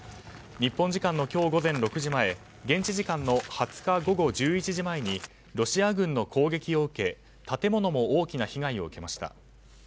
日本時間の今日午前６時前現地時間の２０日午後１１時前にロシア軍の攻撃を受け建物も大きな被害を受けました。